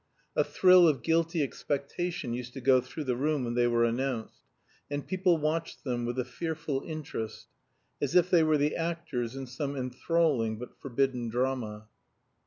A thrill of guilty expectation used to go through the room when they were announced, and people watched them with a fearful interest, as if they were the actors in some enthralling but forbidden drama.